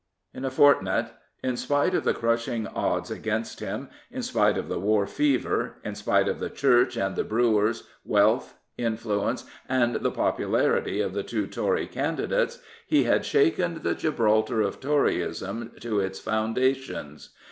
In a fortnight, in spite of the crushing odds against him, in spite of the war fever, in spite of the Church and the brewers, wealth, influence, and the popularity of the two Tory candidates, he had shaken the Gibraltar of Toryism to its foundations.